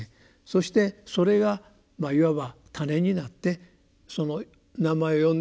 そしてそれがいわば種になってその名前を呼んでいる人に働く。